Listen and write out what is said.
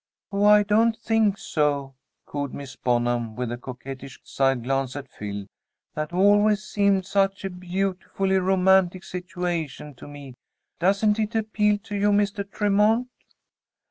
"Oh, I don't think so," cooed Miss Bonham, with a coquettish side glance at Phil. "That always seemed such a beautifully romantic situation to me. Doesn't it appeal to you, Mr. Tremont?"